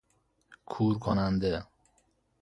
کورکننده